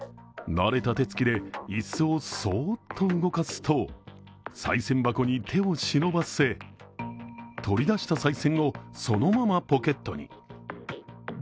慣れた手つきで椅子をそーっと動かすと、さい銭箱に手をしのばせ取り出したさい銭をそのままポケットに。